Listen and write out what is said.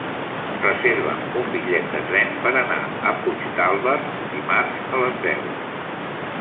Reserva'm un bitllet de tren per anar a Puigdàlber dimarts a les deu.